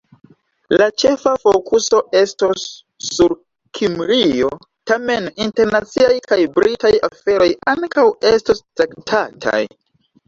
La ĉefa fokuso estos sur Kimrio, tamen internaciaj kaj Britaj aferoj ankaŭ estos traktataj.